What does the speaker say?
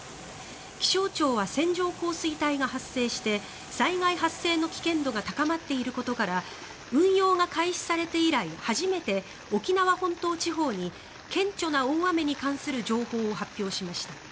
気象庁は線状降水帯が発生して災害発生の危険度が高まっていることから運用が開始されて以来初めて沖縄本島地方に顕著な大雨に関する情報を発表しました。